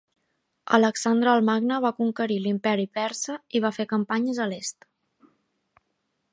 Alexandre el Magne va conquerir l'Imperi Persa i va fer campanyes a l'est.